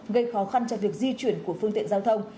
gây khó khăn cho việc di chuyển của phương tiện giao thông